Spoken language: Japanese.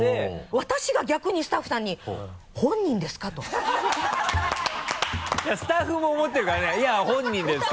私が逆にスタッフさんに「本人ですか？」と。ハハハ スタッフも思ってるからね「いや本人ですか？」